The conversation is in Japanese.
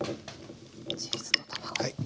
チーズと卵。